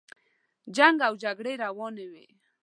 جنګ او جګړې روانې وې.